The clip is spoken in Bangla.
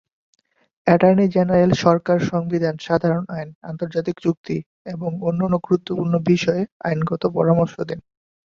অ্যাটর্নি জেনারেল সরকারকে সংবিধান, সাধারণ আইন, আন্তর্জাতিক চুক্তি এবং অন্যান্য গুরুত্বপূর্ণ বিষয়ে আইনগত পরামর্শ দেন।